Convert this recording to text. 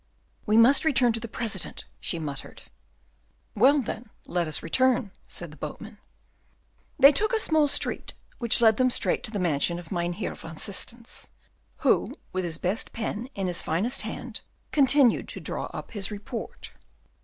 "We must return to the President," she muttered. "Well, then, let us return," said the boatman. They took a small street, which led them straight to the mansion of Mynheer van Systens, who with his best pen in his finest hand continued to draw up his report.